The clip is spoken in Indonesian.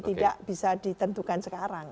tidak bisa ditentukan sekarang